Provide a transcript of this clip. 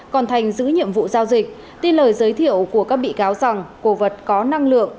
còn thành giữ nhiệm vụ giao dịch tin lời giới thiệu của các bị cáo rằng cổ vật có năng lượng